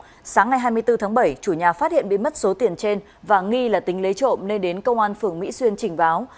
trước đó sáng ngày hai mươi bốn tháng bảy chủ nhà phát hiện bị mất số tiền trên và nghi là tính lấy trộm nên đến công an phường mỹ xuyên trình báo